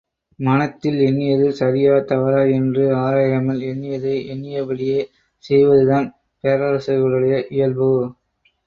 மனத்தில் எண்ணியது சரியா, தவறா என்று ஆராயாமல் எண்ணியதை எண்ணியபடியே செய்வதுதான் பேரரசர்களுடைய இயல்போ?